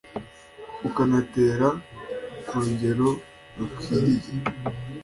ukanatera ku rugero rukwiriye.